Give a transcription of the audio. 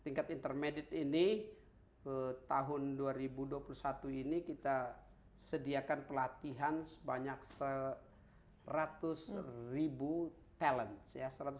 tingkat intermediate ini tahun dua ribu dua puluh satu ini kita sediakan pelatihan sebanyak seratus ribu talent